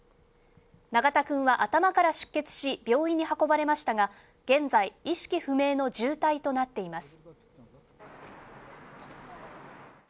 永田君は頭から出血し病院に運ばれましたが、現在、意識不明の重体となっています。